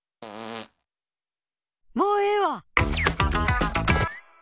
もうええわ！